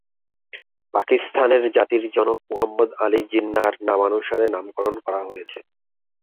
পাকিস্তানের জাতির জনক মুহাম্মদ আলী জিন্নাহর নামানুসারে নামকরণ করা হয়েছে।